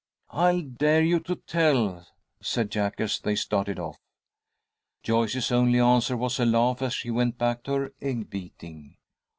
"I'll dare you to tell," said Jack, as they started off. Joyce's only answer was a laugh, as she went back to her egg beating.